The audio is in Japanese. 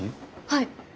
はい。